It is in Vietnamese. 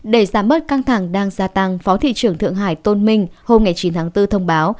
để giảm bớt căng thẳng đang gia tăng phó thị trưởng thượng hải tôn minh hôm chín tháng bốn thông báo